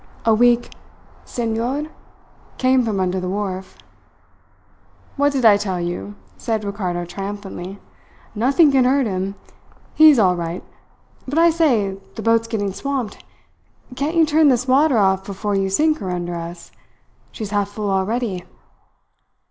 A weak "Senor?" came from under the wharf. "What did I tell you?" said Ricardo triumphantly. "Nothing can hurt him. He's all right. But, I say, the boat's getting swamped. Can't you turn this water off before you sink her under us? She's half full already."